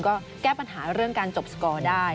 ก็แก้ปัญหาเรื่องการจบสกอร์ได้